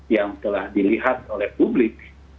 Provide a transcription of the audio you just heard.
yang telah dilihat oleh publik